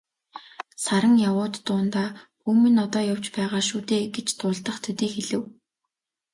Саран явуут дундаа "Хүү минь одоо явж байгаа шүү дээ" гэж дуулдах төдий хэлэв.